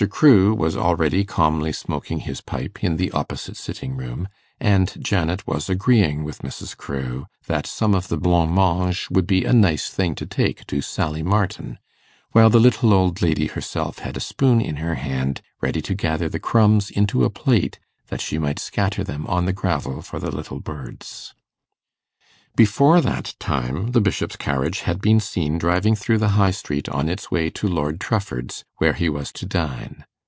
Crewe was already calmly smoking his pipe in the opposite sitting room, and Janet was agreeing with Mrs. Crewe that some of the blanc mange would be a nice thing to take to Sally Martin, while the little old lady herself had a spoon in her hand ready to gather the crumbs into a plate, that she might scatter them on the gravel for the little birds. Before that time, the Bishop's carriage had been seen driving through the High Street on its way to Lord Trufford's, where he was to dine.